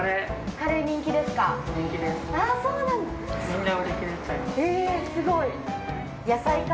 カレー人気ですか？